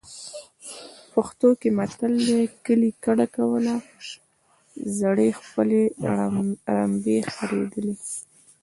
پښتو کې متل دی. کلی کډه کوله زړې خپلې رمبې خریلې.